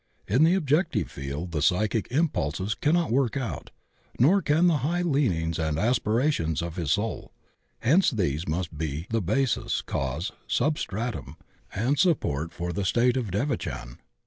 In the objective field the psychic impulses cannot work out, nor can the high leanings and aspirations of his soul; hence these must be the basis, cause, substratum, and support for the state of devachan.